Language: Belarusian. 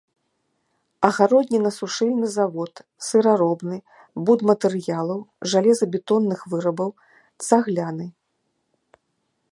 Агароднінасушыльны завод, сыраробны, будматэрыялаў, жалезабетонных вырабаў, цагляны.